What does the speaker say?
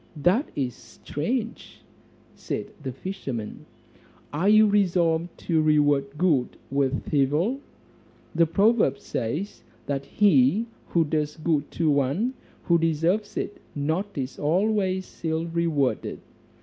"That is strange," said the fisherman, "are you resolved to reward good with evil? The proverb says, 'That he who does good to one who deserves it not is always ill rewarded.'